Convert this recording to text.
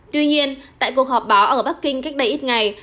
tuy nhiên tại cuộc họp báo ở bắc kinh cách đây ít ngày